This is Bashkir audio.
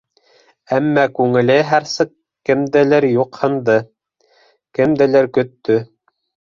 Әммә күңеле һәр саҡ кемделер юҡһынды, кемделер көттө.